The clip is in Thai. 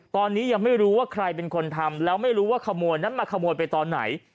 ตอนนี้ยังไม่รู้ว่าใครเป็นคนทำแล้วไม่รู้ว่าขโมยนั้นมาขโมยไปตอนไหน